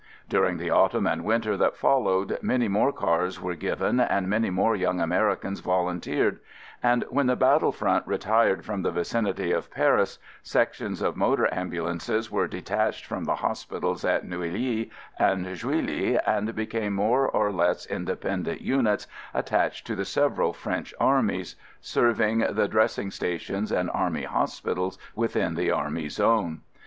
During the autumn and winter that followed many more cars were given and many more young Ameri cans volunteered, and when the battle front retired from the vicinity of Paris, sections of motor ambulances were de tached from the hospitals at Neuilly and Juilly and became more or less independ ent units attached to the several French armies, serving the dressing stations and Army hospitals within the Army zone.